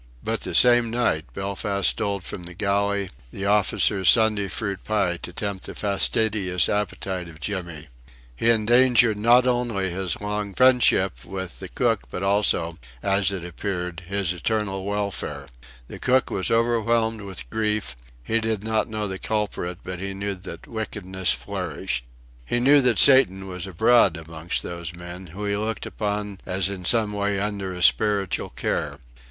But the same night Belfast stole from the galley the officers' Sunday fruit pie, to tempt the fastidious appetite of Jimmy. He endangered not only his long friendship with the cook but also as it appeared his eternal welfare. The cook was overwhelmed with grief; he did not know the culprit but he knew that wickedness flourished; he knew that Satan was abroad amongst those men, whom he looked upon as in some way under his spiritual care.